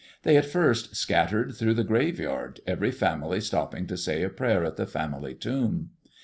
They at first scattered through the graveyard, every family stopping to say a prayer at the family tomb.